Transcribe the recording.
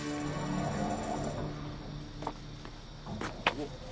おっ。